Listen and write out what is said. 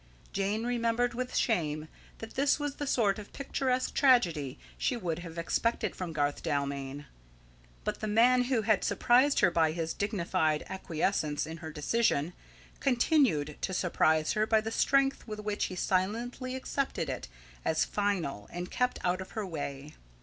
Jane remembered with shame that this was the sort of picturesque tragedy she would have expected from Garth Dalmain. But the man who had surprised her by his dignified acquiescence in her decision, continued to surprise her by the strength with which he silently accepted it as final and kept out of her way.